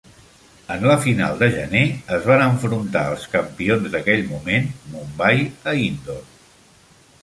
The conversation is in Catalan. En la final de gener, es van enfrontar als campions d'aquell moment, Mumbai, a Indore.